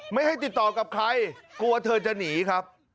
ไม่ให้ติดต่อกับใครกลัวเธอจะหนีครับ